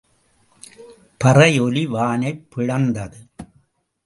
பறை ஒலி வானைப் பிளந்தது.